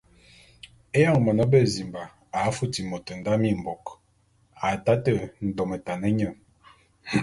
Éyoñ mône bezimba a futi môt nda mimbôk, a taté ndometan nye.